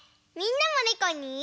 みんなもねこに。